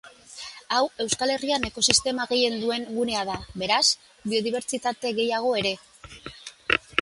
Hau, Euskal Herrian ekosistema gehien duen gunea da; beraz, biodibertsitate gehaiago ere.